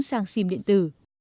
sang sim điện tử